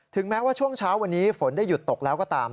แม้ว่าช่วงเช้าวันนี้ฝนได้หยุดตกแล้วก็ตาม